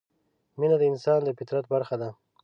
مینه د انسان د فطرت برخه ده.